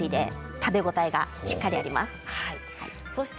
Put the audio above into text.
食べ応えがしっかりあります。